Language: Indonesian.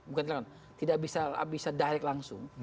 bukan tidak bisa direct langsung